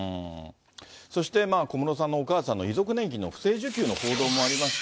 そして、小室さんのお母さんの遺族年金の不正受給の報道もありまして。